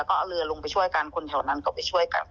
ก็เอาเรือลงไปช่วยกันคนแถวนั้นก็ไปช่วยกัน